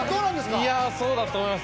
いやそうだと思います